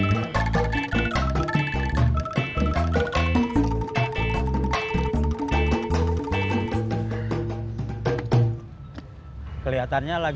sampai mieszkanya tuh gak susah